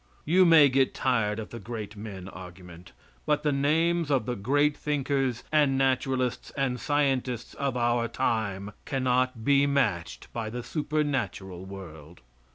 You may get tired of the great men argument; but the names of the great thinkers, and naturalists and scientists of our time cannot be matched by the supernatural world.